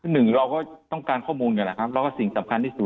หนึ่งเราก็ต้องการข้อมูลกันแหละครับแล้วก็สิ่งสำคัญที่สุด